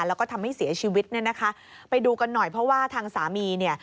แล้วก็ทำให้เสียชีวิตเนี่ยนะคะไปดูกันหน่อยเพราะว่าทางสามีเนี่ย